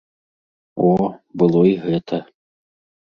О, было і гэта!